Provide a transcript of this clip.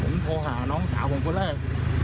ผมโทรหาน้องสาวผมคนแรก